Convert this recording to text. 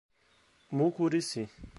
Mucurici